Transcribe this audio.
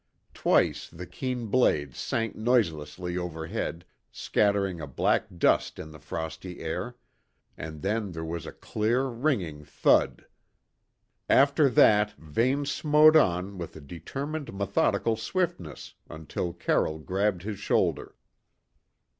Twice the keen blade sank noiselessly overhead, scattering a black dust in the frosty air; and then there was a clear, ringing thud. After that, Vane smote on with a determined methodical swiftness, until Carroll grabbed his shoulder.